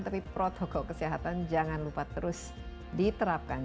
tapi protokol kesehatan jangan lupa terus diterapkan